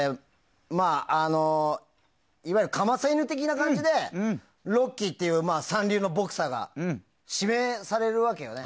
いわゆる、かませ犬的な感じでロッキーっていう三流のボクサーが指名されるわけなんだよね。